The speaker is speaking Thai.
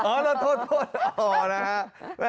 โอ้เราโทษอ๋อนะครับ